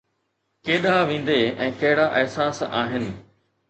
ڪيڏانهن ويندين ۽ ڪهڙا احساس آهن؟